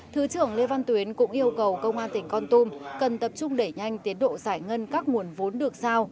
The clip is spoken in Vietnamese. thứ trưởng lê văn tuyến cũng yêu cầu công an tỉnh con tum cần tập trung đẩy nhanh tiến độ giải ngân các nguồn vốn được sao